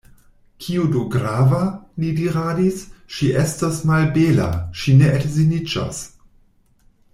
Kio do grava, li diradis, ŝi estos malbela, ŝi ne edziniĝos!